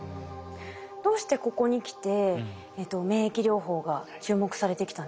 どうしてここにきて免疫療法が注目されてきたんですか？